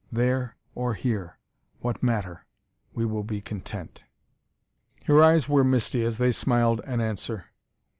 "There or here what matter? We will be content." Her eyes were misty as they smiled an answer.